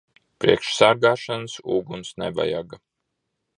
Priekš sargāšanas uguns nevajaga.